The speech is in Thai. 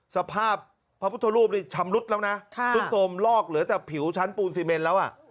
สภาพพระพุทธรูปนี่ชำรุดแล้วนะซุดโทรมลอกเหลือแต่ผิวชั้นปูนซีเมนแล้ว